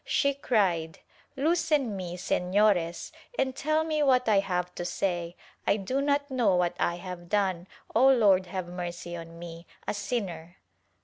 She cried " Loosen me, Sefiores and tell me what I have to say : I do not know what I have done, O Lord have mercy on me, a sinner